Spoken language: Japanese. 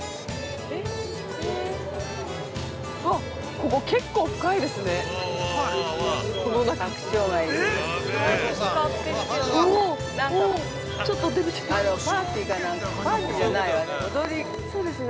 ◆ここ、結構深いですね。